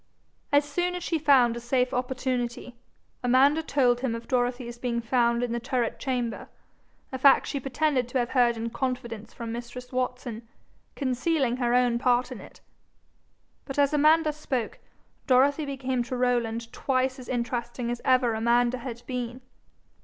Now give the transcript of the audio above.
As soon as she found a safe opportunity, Amanda told him of Dorothy's being found in the turret chamber, a fact she pretended to have heard in confidence from mistress Watson, concealing her own part in it, But as Amanda spoke, Dorothy became to Rowland twice as interesting as ever Amanda had been.